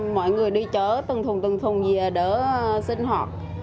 mọi người đi chớ từng thùng từng thùng về để sinh hoạt